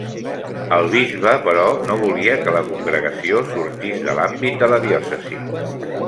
El bisbe, però, no volia que la congregació sortís de l'àmbit de la diòcesi.